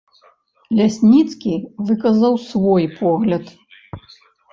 Лясніцкі выказаў свой погляд.